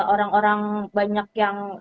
orang orang banyak yang